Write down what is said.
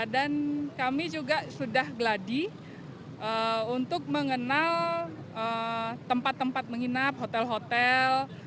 dan kami juga sudah gladi untuk mengenal tempat tempat menginap hotel hotel